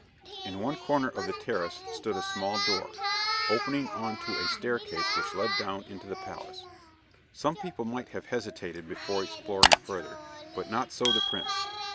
In one corner of the terrace stood a small door, opening on to a staircase which led down into the palace. Some people might have hesitated before exploring further, but not so the prince.